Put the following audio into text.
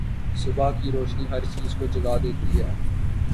صبح کی روشنی ہر چیز کو جگا دیتی ہے۔